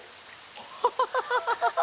ハハハハ！